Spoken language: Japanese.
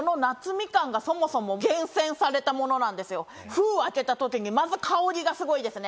封を開けた時にまず香りがすごいですね。